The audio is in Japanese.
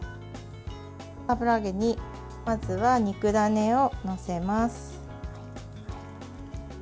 油揚げにまずは肉ダネを載せます。